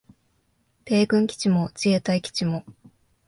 米軍基地も自衛隊基地も